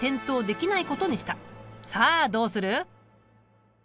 さあどうする？